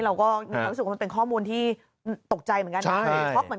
เราก็รู้สึกว่าเป็นข้อมูลที่ตกใจเหมือนกัน